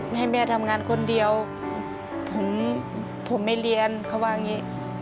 ให้แม่ทำงานคนเดียวผมไม่เรียนเขาว่าอย่างนี้